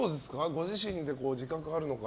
ご自身で自覚はあるのか。